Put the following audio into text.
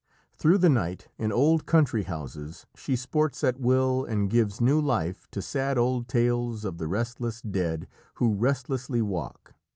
Through the night, in old country houses, she sports at will and gives new life to sad old tales of the restless dead who restlessly walk.